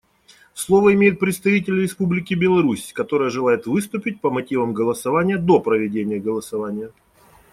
Слово имеет представитель Республики Беларусь, которая желает выступить по мотивам голосования до проведения голосования.